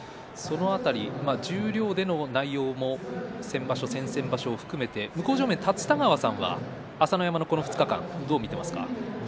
十両での内容も先場所、先々場所も含めて向正面立田川さんは朝乃山の２日間どう見ていますか。